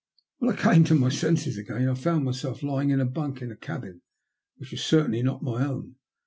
When I came to my senses again I found myself lying in a bunk in a cabin which was certainly not my own.